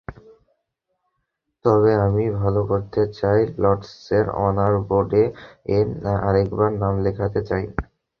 তবে আমি ভালো করতে চাই, লর্ডসের অনার বোর্ডে আরেকবার নাম লেখাতে চাই।